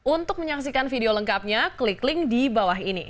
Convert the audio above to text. untuk menyaksikan video lengkapnya klik link di bawah ini